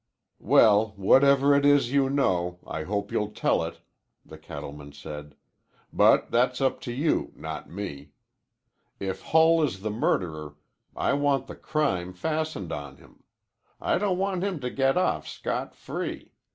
"Well, whatever it is you know, I hope you'll tell it," the cattleman said. "But that's up to you, not me. If Hull is the murderer, I want the crime fastened on him. I don't want him to get off scot free.